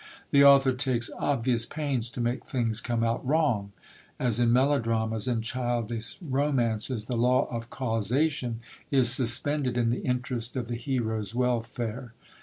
The author takes obvious pains to make things come out wrong; as in melodramas and childish romances, the law of causation is suspended in the interest of the hero's welfare.